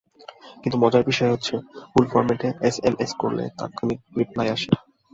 কিন্তু মজার বিষয় হচ্ছে, ভুল ফরম্যাটে এসএমএস করলে তাৎক্ষণিক রিপ্লাই আসে।